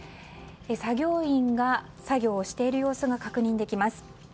作業員が作業をしている様子が確認できます。